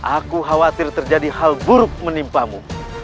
aku khawatir terjadi hal buruk menimpamu